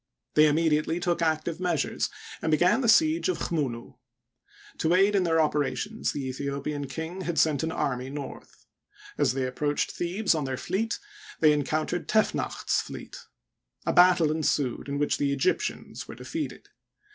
They im mediately took active measures, and began the siege of Chmunu, To aid in their operations the Aethiopian king had sent an army north. As they approached Thebes on their fleet, they encountered Tefnacht's fleet. A battle ensued, in which the Egyptians were defeated.